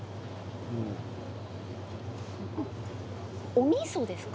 おみそですか？